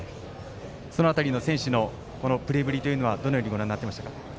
その辺りの選手のプレーぶりというのはどのようにご覧になっていましたか。